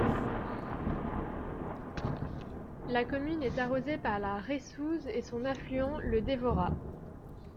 La commune est arrosée par la Reyssouze et son affluent le Dévorah.